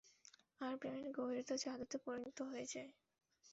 আর প্রেমের গভীরতা জাদুতে পরিণত হয়ে যায়।